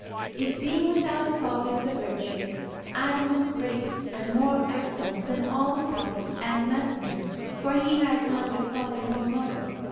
If being without a father is a virtue, Adam is greater and more excellent than all the Prophets and Messengers, for he had neither father nor mother.